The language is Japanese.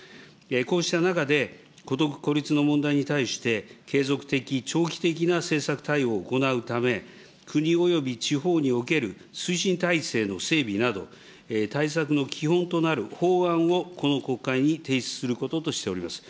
こうした中で、孤独・孤立の問題に対して継続的、長期的な政策対応を行うため、国および地方における推進体制の整備など、対策の基本となる法案をこの国会に提出することとしております。